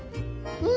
うん！